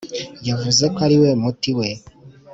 yavuze ko ari we muti we